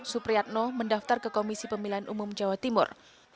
supriyatno mendaftar ke komisi pemilihan umum jawa timur